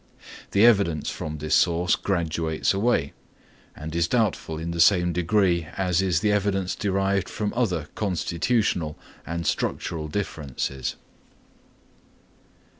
The evidence from this source graduates away, and is doubtful in the same degree as is the evidence derived from other constitutional and structural differences.